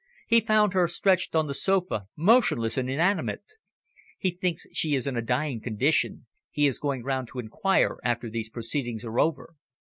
He found her stretched on the sofa, motionless and inanimate. He thinks she is in a dying condition. He is going round to inquire after these proceedings are over."